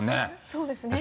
そうですね。